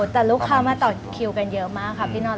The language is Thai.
แต่ลูกค้ามาต่อคิวกันเยอะมากค่ะพี่นนท